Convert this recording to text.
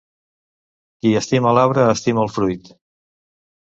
Qui estima l'arbre, estima el fruit.